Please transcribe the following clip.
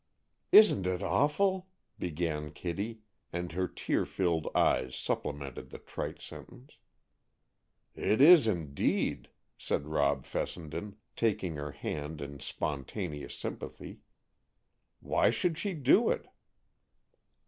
"Isn't it awful?" began Kitty, and her tear filled eyes supplemented the trite sentence. "It is indeed," said Rob Fessenden, taking her hand in spontaneous sympathy. "Why should she do it?"